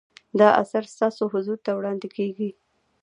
دا اثر ستاسو حضور ته وړاندې کیږي.